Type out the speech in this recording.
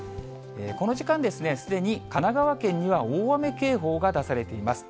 この時間、すでに神奈川県には大雨警報が出されています。